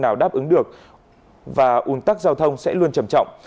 nào đáp ứng được và ủn tắc giao thông sẽ luôn trầm trọng